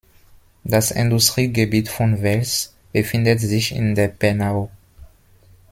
Das Industriegebiet von Wels befindet sich in der Pernau.